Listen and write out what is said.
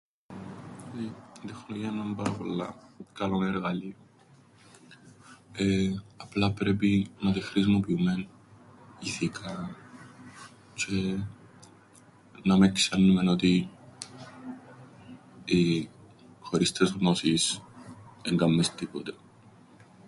Η τεχνολογία εν' έναν πάρα πολλά καλόν εργαλείον. Εε... απλά πρέπει να την χρησιμοποιούμεν ηθικά τζ̆αι να μεν ξιάννουμεν ότι οι ε... χωρίς τες γνώσεις εν κάμνεις τίποτε.